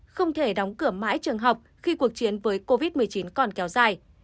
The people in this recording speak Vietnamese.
không thể đóng cửa mãi trường học khi cuộc chiến với covid một mươi chín còn kéo dài